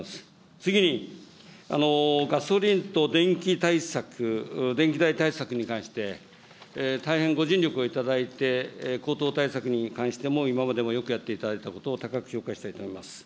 次に、ガソリンと電気対策、電気代対策について、大変ご尽力をいただいて高騰対策に関しても、今までもよくやっていただいたことを高く評価したいと思います。